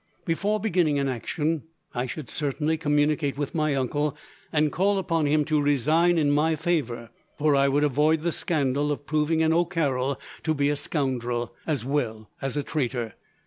Before beginning an action, I should certainly communicate with my uncle, and call upon him to resign in my favour; for I would avoid the scandal of proving an O'Carroll to be a scoundrel, as well as a traitor.